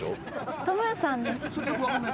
トムーさんです。